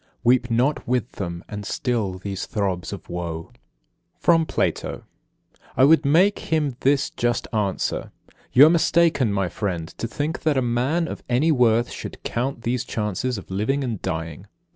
43. Weep not with them, and still these throbs of woe. 44. From Plato: "I would make him this just answer, 'You are mistaken, my friend, to think that a man of any worth should count the chances of living and dying.